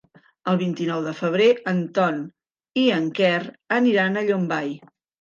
El vint-i-nou de febrer en Ton i en Quer aniran a Llombai.